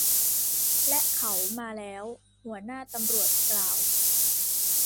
และเขามาแล้ว หัวหน้าตำรวจกล่าว